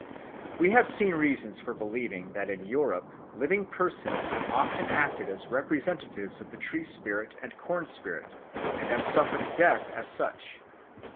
We have seen reasons for believing that in Europe living persons have often acted as representatives of the tree spirit and corn spirit and have suffered death as such.